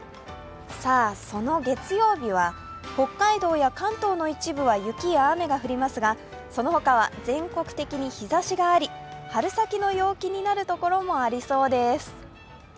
その月曜日は北海道や関東の一部は雪や雨が降りますが、その他は全国的に日ざしがあり、春先の陽気になる所もありそうです。